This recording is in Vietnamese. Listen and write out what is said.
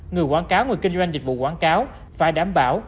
người quảng cáo người kinh doanh dịch vụ quảng cáo phải đảm bảo